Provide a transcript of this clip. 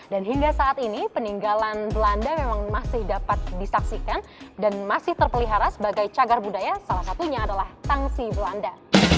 dan hingga saat ini peninggalan belanda memang masih dapat disaksikan dan masih terpelihara sebagai cagar budaya salah satunya adalah tangsi belanda